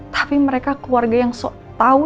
tapi mereka keluarga yang tahu